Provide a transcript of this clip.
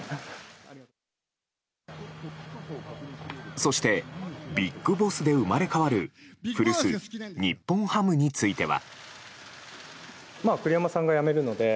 そしてビッグボスで生まれ変わる古巣・日本ハムについては。